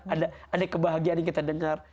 ada kebahagiaan yang kita dengar